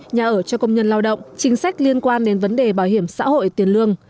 nhà ở cho công nhân lao động chính sách liên quan đến vấn đề bảo hiểm xã hội tiền lương